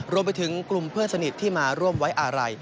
รวมไปถึงกลุ่มเพื่อนสนิทที่มาร่วมไว้อาลัย